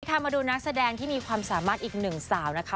มาดูนักแสดงที่มีความสามารถอีกหนึ่งสาวนะคะ